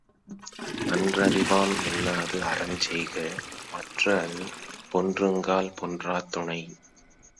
அன்றறிவாம் என்னாது அறஞ்செய்க மற்றுஅது பொன்றுங்கால் பொன்றாத் துணை.